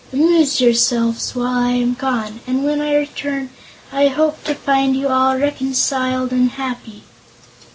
Amuse yourselves while I am gone, and when I return I hope to find you all reconciled and happy."